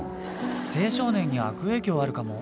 青少年に悪影響あるかも。